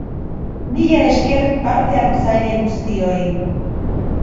Mila esker parte hartzaile guztioi.